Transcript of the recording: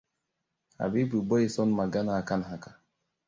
Habibu bai son magana kan haka.